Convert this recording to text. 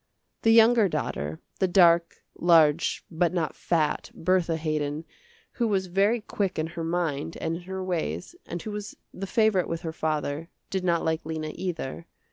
The younger daughter, the dark, large, but not fat, Bertha Haydon, who was very quick in her mind, and in her ways, and who was the favorite with her father, did not like Lena, either.